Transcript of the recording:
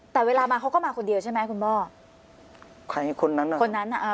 แต่เวลามาเขาก็มาคนเดียวใช่ไหมคุณพ่อใครคนนั้นอ่ะคนนั้นอ่ะอ่า